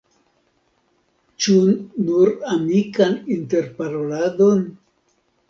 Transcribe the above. Ĉu nur amikan interparoladon?